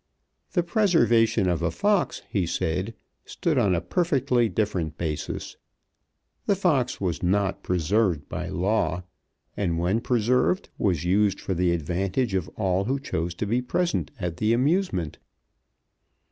The preservation of a fox, he said, stood on a perfectly different basis. The fox was not preserved by law, and when preserved was used for the advantage of all who chose to be present at the amusement.